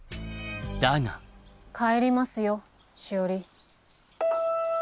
だが帰りますよしおり。